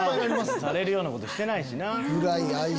されるようなことしてないしな。